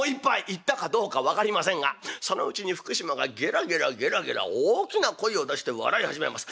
言ったかどうか分かりませんがそのうちに福島がゲラゲラゲラゲラ大きな声を出して笑い始めます。